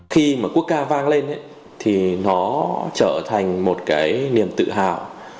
khi mà quốc ca vang lên ấy thì nó trở thành một cái niềm tự hào